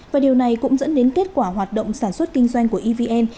và điều này cũng dẫn đến kết quả hoạt động sản xuất kinh doanh của evn